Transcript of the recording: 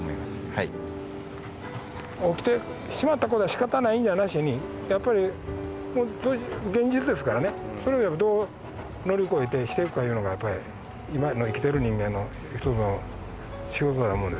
はい起きてしまったことは仕方ないんじゃなしにやっぱり現実ですからねそれをどう乗り越えてしていくかいうのがやっぱり今の生きてる人間の一つの仕事や思うんです